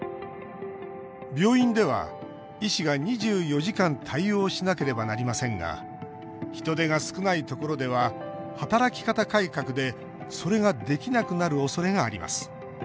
病院では医師が２４時間対応しなければなりませんが人手が少ないところでは働き方改革でそれができなくなるおそれがあります。